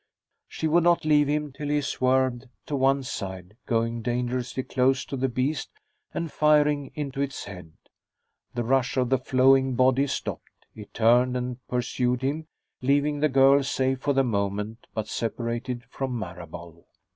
She would not leave him till he swerved to one side, going dangerously close to the beast and firing into its head. The rush of the flowing body stopped; it turned and pursued him, leaving the girl safe for the moment, but separated from Marable.